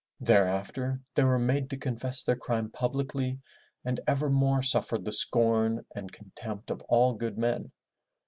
Thereafter they were made to confess their crime publicly and ever more suffered the scorn and contempt of all good men.